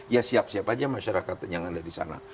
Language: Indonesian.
ya siap siap aja masyarakat yang ada di sana